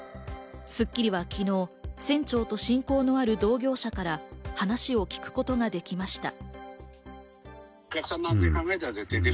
『スッキリ』は昨日、船長と親交のある同業者から話を聞くことができました。